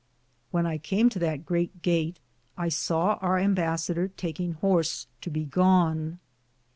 When I came to that greate gate I sawe our Imbassador takeinge horse to begone.